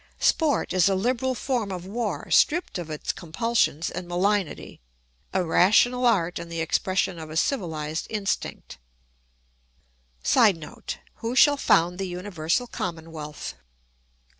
Sport is a liberal form of war stripped of its compulsions and malignity; a rational art and the expression of a civilised instinct. [Sidenote: Who shall found the universal commonwealth?